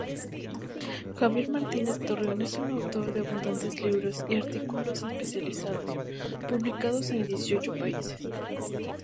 Javier Martínez-Torrón es autor de abundantes libros y artículos especializados, publicados en dieciocho países.